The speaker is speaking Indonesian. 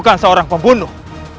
bukan seorang pembunuh